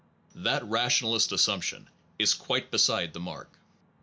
That rationalist assumption is quite beside the mark.